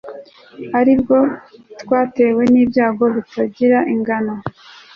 ari bwo twatewe n'ibyago bitagira ingano